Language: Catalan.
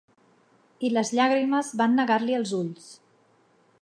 I les llàgrimes van negar-li els ulls.